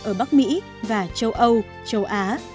ở bắc mỹ và châu âu châu á